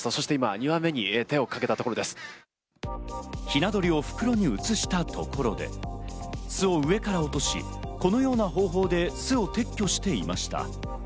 ひな鳥を袋に移したところで、巣を落とし、このような方法で巣を撤去していました。